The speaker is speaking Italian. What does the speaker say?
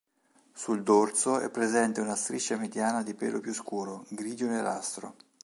Sul dorso è presente una striscia mediana di pelo più scuro, grigio-nerastro.